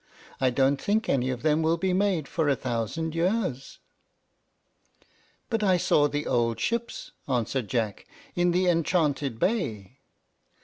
I don't think any of them will be made for a thousand years." "But I saw the old ships," answered Jack, "in the enchanted bay."